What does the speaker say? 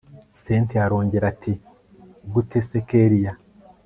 cyntia arongera ati gute se kellia